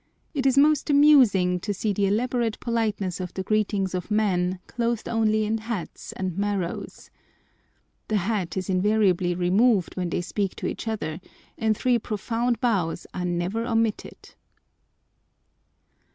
It is most amusing to see the elaborate politeness of the greetings of men clothed only in hats and maros. The hat is invariably removed when they speak to each other, and three profound bows are never omitted.